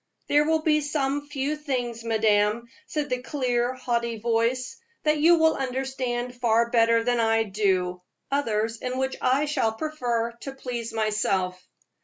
"There will be some few things, madame," said the clear, haughty voice, "that you will understand far better than I do, others in which I shall prefer to please myself."